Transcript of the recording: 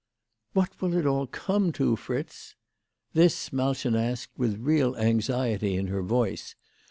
" What will it all come to, Fritz ?" This Malchen asked with real anxiety in her voice.